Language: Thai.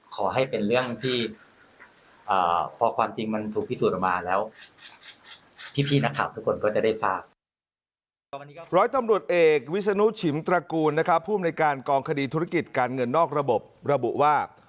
ขอให้เป็นเรื่องที่พอความจริงมันถูกพิสูจน์ออกมาแล้ว